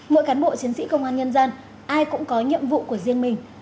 mỗi cán bộ chiến sĩ công an nhân dân ai cũng có nhiệm vụ của riêng mình